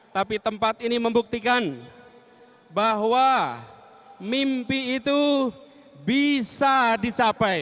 tapi tempat ini membuktikan bahwa mimpi itu bisa dicapai